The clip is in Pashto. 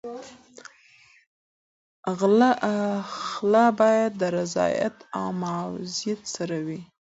خلع باید د رضایت او معاوضې سره وي.